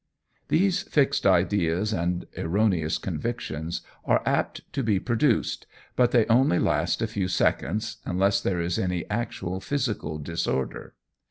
These fixed ideas and erroneous convictions are apt to be produced, but they only last a few seconds, unless there is any actual physical disorder.